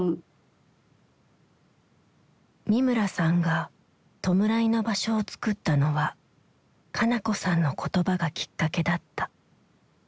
三村さんが弔いの場所をつくったのは香夏子さんの言葉がきっかけだった。